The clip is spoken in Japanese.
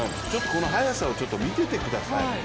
この速さを見ててください。